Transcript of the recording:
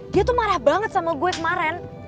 dia tuh marah banget sama gue kemarin